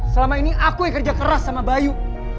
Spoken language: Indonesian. selama ini aku yang kerja keras sama bayu